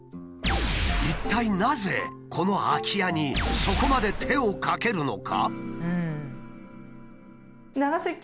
一体なぜこの空き家にそこまで手をかけるのか？